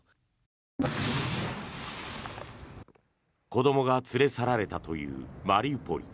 子どもが連れ去られたというマリウポリ。